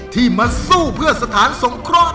ที่มาสู้เพื่อสถานสงเคราะห์